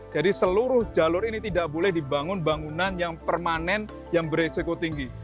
jadi seluruh jalur ini tidak boleh dibangun bangunan yang permanen yang beriseku tinggi